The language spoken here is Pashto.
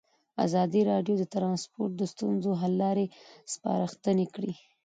ازادي راډیو د ترانسپورټ د ستونزو حل لارې سپارښتنې کړي.